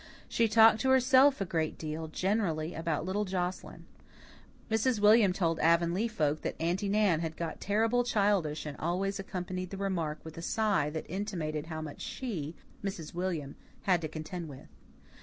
She talked to herself a good deal, generally about little Joscelyn. Mrs. William told Avonlea folk that Aunty Nan had got terribly childish and always accompanied the remark with a sigh that intimated how much she, Mrs. William, had to contend with.